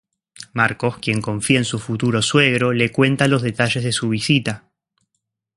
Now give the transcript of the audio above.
Marcos quien confía en su futuro suegro, le cuenta los detalles de su visita.